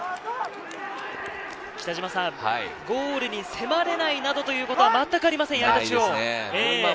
ゴールに迫れないなどということはまったくありません、矢板中央。